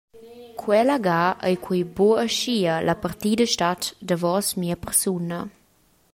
«Quella ga ei quei buc aschia, la partida stat davos mia persuna.»